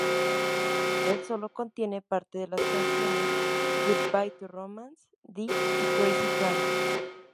El solo contiene partes de las canciones "Goodbye to Romance", "Dee" y "Crazy Train".